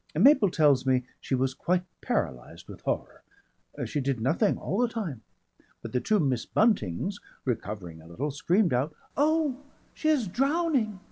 Mabel tells me she was quite paralysed with horror, she did nothing all the time, but the two Miss Buntings, recovering a little, screamed out, "Oh, she's drowning!"